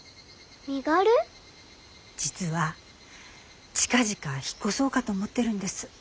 実は近々引っ越そうかと思ってるんです。